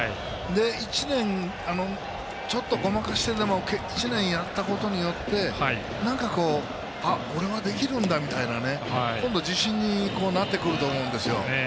１年、ちょっとごまかしてでも１年やったことによって俺はできるんだみたいな自信になってくると思うんです。